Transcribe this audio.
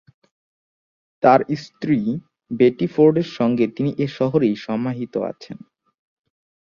তার স্ত্রী বেটি ফোর্ডের সঙ্গে তিনি এ শহরেই সমাহিত আছেন।